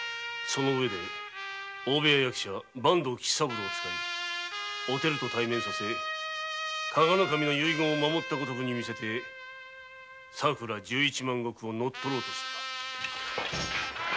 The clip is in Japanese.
その上で大部屋役者・坂東吉三郎を使いお照と対面させ加賀守の遺言を守ったごとくに見せて佐倉十一万石を乗っ取ろうとした。